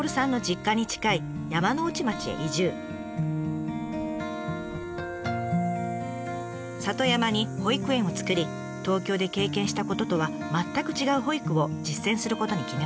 里山に保育園を作り東京で経験したこととは全く違う保育を実践することに決めました。